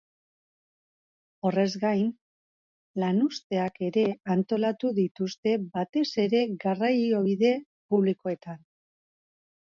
Horrez gain, lanuzteak ere antolatu dituzte, batez ere garraiobide publikoetan.